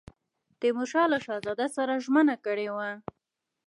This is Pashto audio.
تیمورشاه له شهزاده سره ژمنه کړې وه.